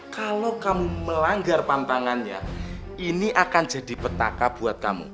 kalau kamu melanggar pantangannya ini akan jadi petaka buat kamu